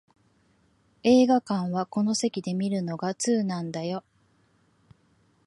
映画館はこの席で観るのが通なんだよ